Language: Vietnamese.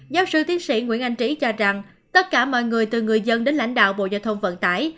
giáo sư tiến sĩ nguyễn anh trí cho rằng tất cả mọi người từ người dân đến lãnh đạo bộ giao thông vận tải